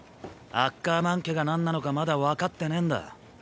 アッカーマン家が何なのかまだわかってねぇんだ。